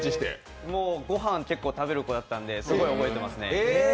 ご飯、結構食べる子だったので、すごく覚えてますね。